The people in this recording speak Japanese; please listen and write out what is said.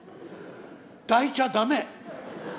抱いちゃ駄目。